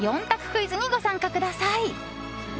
クイズにご参加ください。